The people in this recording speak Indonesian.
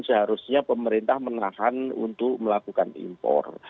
seharusnya pemerintah menahan untuk melakukan impor